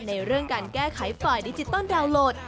ในเรื่องการแก้ไขฝ่ายดิจิตอลดาวน์โหลด